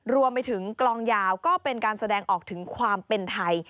รวมไปถึงกลองยาวก็เป็นการแสดงออกถึงความเป็นไทย